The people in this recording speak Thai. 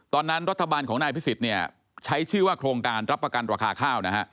ตอนนั้นรัฐบาลของนายพิศิษฐ์ใช้ชื่อว่าโครงการรับประกันราคาข้าว